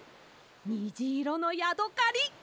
にじいろのヤドカリ！